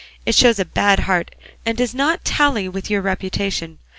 It shows a bad heart and does not tally with your reputation.